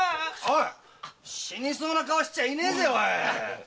死にそうな顔しちゃいねえぜオイ。